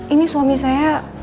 ini suami saya